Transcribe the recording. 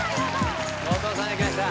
後藤さんがきました